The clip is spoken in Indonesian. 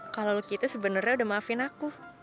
kalo luki itu sebenernya udah maafin aku